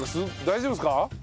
大丈夫ですか？